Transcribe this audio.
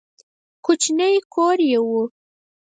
کوچنی کور یې و.